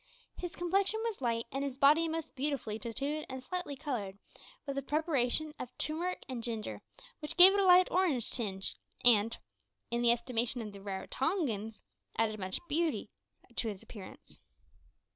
His complexion was light, and his body most beautifully tatooed and slightly coloured with a preparation of tumeric and ginger, which gave it a light orange tinge, and, in the estimation of the Raratongans, added much to the beauty of his appearance.